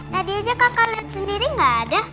aja kakak lihat sendiri nggak ada